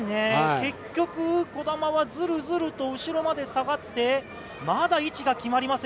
結局、児玉はずるずると後ろまで下がって、まだ位置が決まりません。